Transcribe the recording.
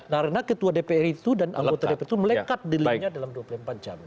karena ketua dpr itu dan anggota dpr itu melekat dirinya dalam dua puluh empat jam